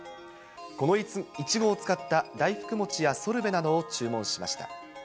この苺を使った大福餅やソルベなどを注文しました。